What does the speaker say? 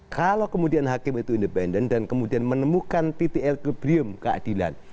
kalau kemudian hakim itu independen dan kemudian menemukan titik elqubrium keadilan